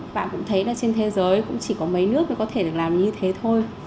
và cũng thấy trên thế giới cũng chỉ có mấy nước có thể làm như thế thôi